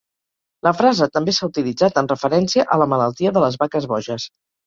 La frase també s'ha utilitzat en referència a la malaltia de les vaques boges.